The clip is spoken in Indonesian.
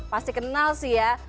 pasti kenal sih ya